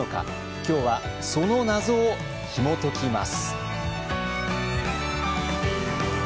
今日はその謎をひもときます。